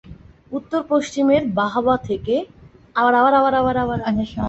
উত্তর পশ্চিমের বাহামা থেকে দক্ষিণ পূর্বের টোবাগো পর্যন্ত এই ধরনের উপনিবেশ ছড়িয়ে পড়েছিল।